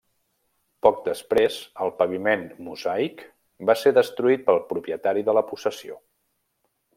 Poc després el paviment mosaic va ser destruït pel propietari de la possessió.